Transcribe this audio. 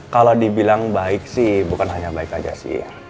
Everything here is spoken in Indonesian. kalau dibilang baik sih bukan hanya baik aja sih